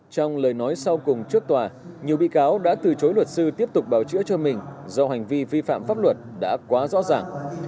trong lời nói sau cùng trước tòa nhiều bị cáo đã từ chối luật sư tiếp tục bảo chữa cho mình do hành vi vi phạm pháp luật đã quá rõ ràng